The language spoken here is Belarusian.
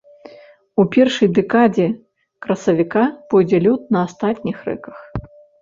У першай дэкадзе красавіка пойдзе лёд на астатніх рэках.